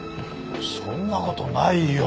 そんな事ないよ。